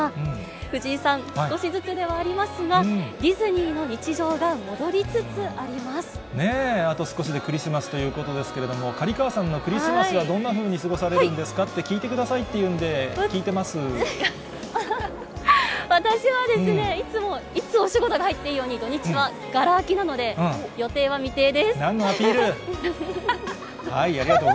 藤井さん、少しずつではありますが、ディズニーの日常が戻りつつねぇ、あと少しでクリスマスということですけれども、刈川さんのクリスマスは、どんなふうに過ごされるんですか？って聞いてくださいというので、私はですね、いつも、いつお仕事が入っていいようにと、土日はがら空きなので、なんのアピール？